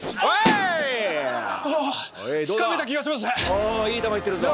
ああいい球いってるぞ。